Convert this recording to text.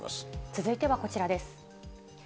続いてはこちらです。